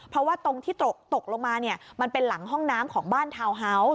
เพราะว่าตรงที่ตกลงมาเนี่ยมันเป็นหลังห้องน้ำของบ้านทาวน์ฮาวส์